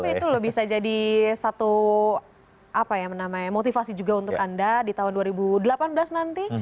tapi itu loh bisa jadi satu motivasi juga untuk anda di tahun dua ribu delapan belas nanti